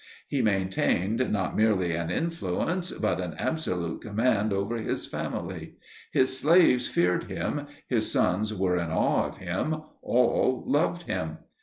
He maintained not merely an influence, but an absolute command over his family: his slaves feared him, his sons were in awe of him, all loved him.